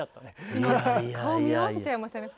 今顔を見合わせちゃいましたね。ね！